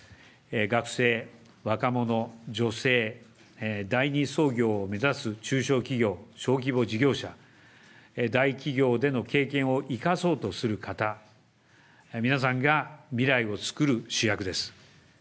学生、若者、女性、第２創業を目指す中小企業、小規模事業者、大企業での経験を生かそうとする方、皆さんが、未来をつくる主役です。